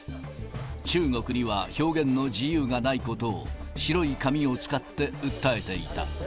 中国には表現の自由がないことを、白い紙を使って訴えていた。